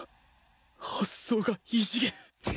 発想が異次元